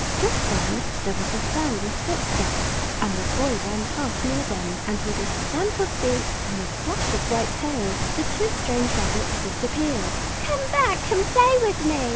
Just then there was a sound of footsteps, and the Boy ran past near them, and with a stamp of feet and a flash of white tails the two strange rabbits disappeared. "Come back and play with me!"